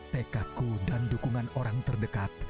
tekadku dan dukungan orang terdekat